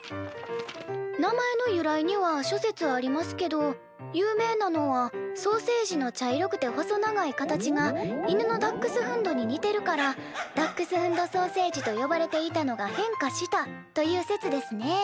名前の由来には諸説ありますけど有名なのは「ソーセージの茶色くて細長い形が犬のダックスフンドに似てるからダックスフンド・ソーセージと呼ばれていたのが変化した」という説ですね。